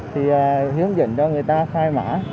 thì hiếm dẫn cho người ta khai mã